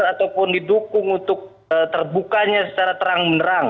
ataupun didukung untuk terbukanya secara terang menerang